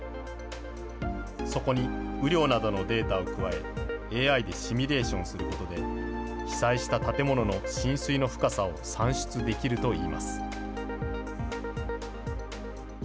そこに雨量などのデータを加え、ＡＩでシミュレーションすることで、被災した建物の浸水の深さを算出できるといいます。